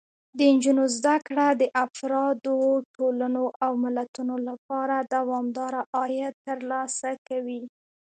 د نجونو زده کړه د افرادو، ټولنو او ملتونو لپاره دوامداره عاید ترلاسه کوي.